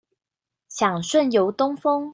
想順遊東峰